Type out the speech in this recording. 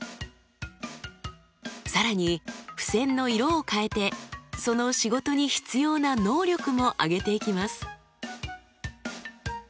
更に付箋の色を変えてその仕事に必要な能力も挙げていきます。